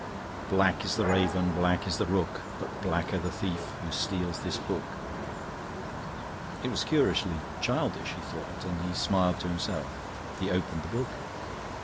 "Black is the raven, black is the rook, But blacker the thief who steals this book!" It was curiously childish, he thought, and he smiled to himself. He opened the book.